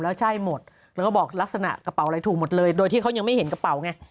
แล้วใช่หมดแล้วก็บอกลักษณะกระเป๋าอะไรถูกหมดเลยโดยที่เขายังไม่เห็นกระเป๋าไง